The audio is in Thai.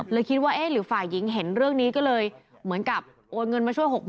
คิดว่าเอ๊ะหรือฝ่ายหญิงเห็นเรื่องนี้ก็เลยเหมือนกับโอนเงินมาช่วย๖๐๐๐